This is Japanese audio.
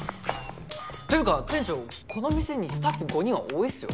というか店長この店にスタッフ５人は多いっすよ？